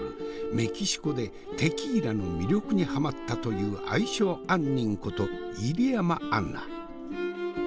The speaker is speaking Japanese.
メキシコでテキーラの魅力にハマったという愛称あんにんこと入山杏奈。